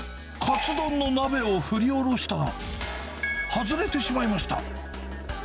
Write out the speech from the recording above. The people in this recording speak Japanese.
かつ丼の鍋を振り下ろしたら、外れてしまいました。